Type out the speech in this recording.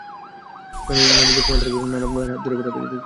নানুর বুকে মাথা রেখে ঘুমাত, নানা ভাইয়ার হাত ধরে বেড়াতে যেত।